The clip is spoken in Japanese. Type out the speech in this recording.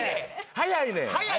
早いねん。